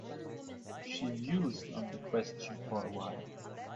She mused on the question for a while.